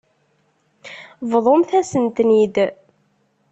Bḍumt-asen-ten-id.